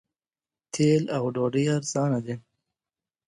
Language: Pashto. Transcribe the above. تیل او ډوډۍ ارزانه دي.